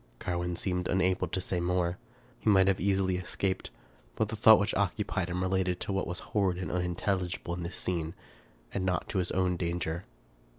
Carwin seemed unable to say more. He might have easily escaped ; but the thought which occupied him related to what was horrid and unintelligible in this scene, and not to his own danger.